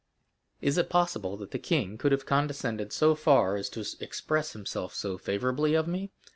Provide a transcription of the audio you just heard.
'" "Is it possible the king could have condescended so far as to express himself so favorably of me?"